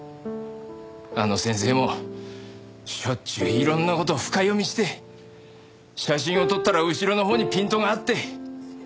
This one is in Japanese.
あの先生もしょっちゅういろんな事深読みして写真を撮ったら後ろのほうにピントが合って。